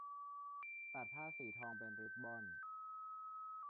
ตัดผ้าสีทองเป็นริบบอน